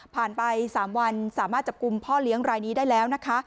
ไป๓วันสามารถจับกลุ่มพ่อเลี้ยงรายนี้ได้แล้วนะคะ